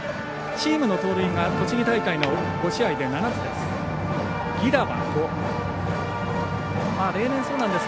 チームの盗塁が栃木大会の５試合で７つです。